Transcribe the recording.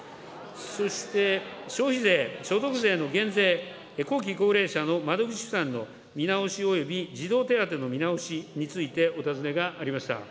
そして、消費税、所得税の減税、後期高齢者の窓口負担の見直しおよび児童手当の見直しについて、お尋ねがありました。